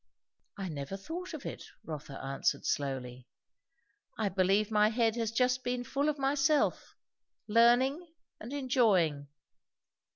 "I never thought of it," Rotha answered slowly. "I believe my head has been just full of myself, learning and enjoying."